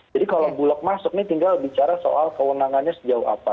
jadi kalau bulok masuk ini tinggal bicara soal kewenangannya sejauh apa